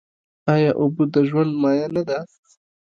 آیا اوبه د ژوند مایه نه ده؟